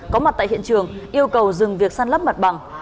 có mặt tại hiện trường yêu cầu dừng việc săn lấp mặt bằng